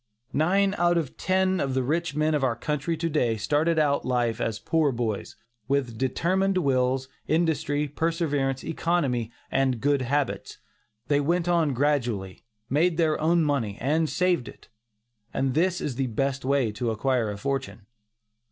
Nine out of ten of the rich men of our country to day, started out in life as poor boys, with determined wills, industry, perseverance, economy and good habits. They went on gradually, made their own money and saved it; and this is the best way to acquire a fortune.